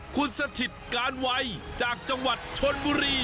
คุณสถิตการวัยจากจังหวัดชนบุรี